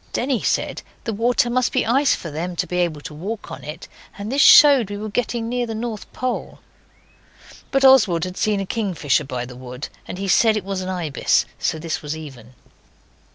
Denny said the water must be ice for them to be able to walk on it, and this showed we were getting near the North Pole. But Oswald had seen a kingfisher by the wood, and he said it was an ibis, so this was even.